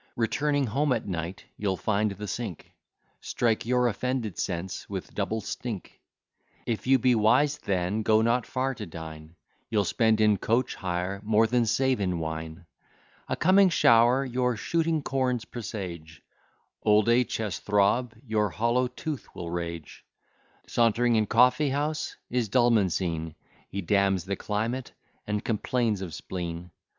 Returning home at night, you'll find the sink Strike your offended sense with double stink. If you be wise, then, go not far to dine: You'll spend in coach hire more than save in wine. A coming shower your shooting corns presage, Old a ches throb, your hollow tooth will rage; Sauntering in coffeehouse is Dulman seen; He damns the climate, and complains of spleen.